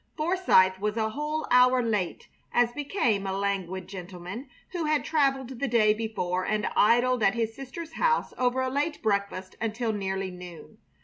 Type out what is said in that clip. Forsythe was a whole hour late, as became a languid gentleman who had traveled the day before and idled at his sister's house over a late breakfast until nearly noon.